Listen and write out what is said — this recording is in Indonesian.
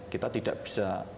kita tidak bisa